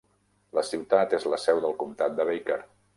La ciutat és la seu del comtat de Baker.